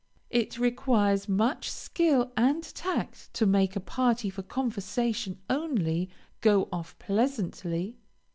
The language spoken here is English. It requires much skill and tact to make a party for conversation only, go off pleasantly.